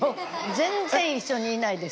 全然一緒にいないです